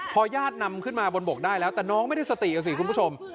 พอญาตินำขึ้นมาบนบกได้แล้วแต่น้องไม่ได้สติอ่ะสิคุณผู้ชม